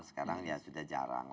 sekarang sudah jarang